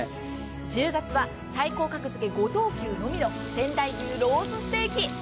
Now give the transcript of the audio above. １０月は最高格付５等級のみの仙台牛ロースステーキ。